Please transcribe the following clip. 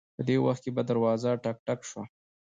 په دې وخت کې په دروازه ټک ټک شو